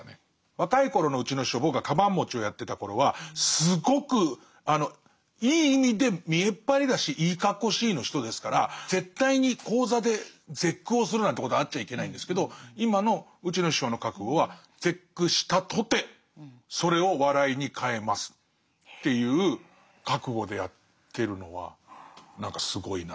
若い頃のうちの師匠僕がかばん持ちをやってた頃はすごくいい意味で見えっ張りだしいいかっこしいの人ですから絶対に高座で絶句をするなんてことがあっちゃいけないんですけど今のうちの師匠の覚悟は絶句したとてそれを笑いに変えますっていう覚悟でやってるのは何かすごいな。